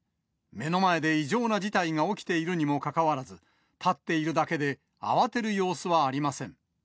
目の前で異常な事態が起きているにもかかわらず、立っているだけで、慌てる様子はありません。